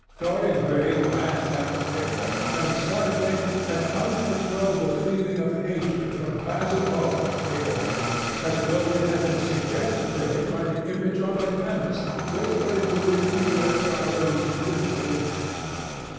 Dorian Gray glanced at the picture, and suddenly an uncontrollable feeling of hatred for Basil Hallward came over him, as though it had been suggested to him by the image on the canvas, whispered into his ear by those grinning lips.